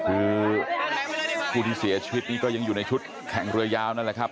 คือผู้ที่เสียชีวิตนี้ก็ยังอยู่ในชุดแข่งเรือยาวนั่นแหละครับ